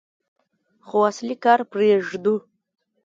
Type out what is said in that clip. خو اصلي کار پرېږدو.